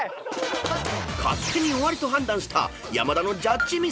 ［勝手に終わりと判断した山田のジャッジミス］